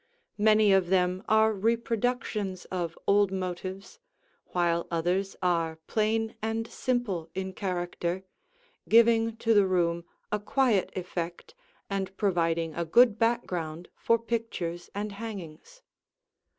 Many of them are reproductions of old motives, while others are plain and simple in character, giving to the room a quiet effect and providing a good background for pictures and hangings.